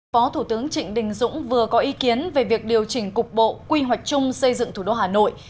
phó thủ tướng trịnh đình dũng vừa có ý kiến về việc điều chỉnh cục bộ quy hoạch chung xây dựng thủ đô hà nội